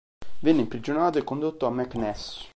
Venne imprigionato e condotto a Meknès.